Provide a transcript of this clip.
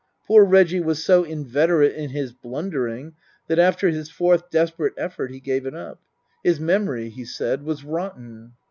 Poor Reggie was so inveterate in his blundering that after his fourth desperate effort he gave it up. His memory, he said, was rotten.